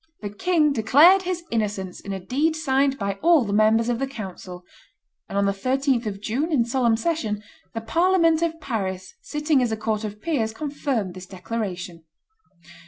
The king declared his innocence in a deed signed by all the members of the council. On the 13th of June, in solemn session, the Parliament of Paris, sitting as a court of peers, confirmed this declaration.